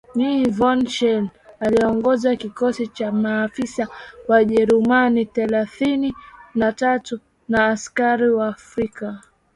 nne von Schele aliongoza kikosi cha maafisa Wajerumani thelathini na tatu na askari Waafrika